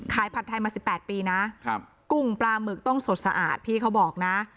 ผัดไทยมา๑๘ปีนะกุ้งปลาหมึกต้องสดสะอาดพี่เขาบอกนะ